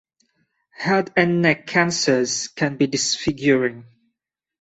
Head and neck cancers can be disfiguring.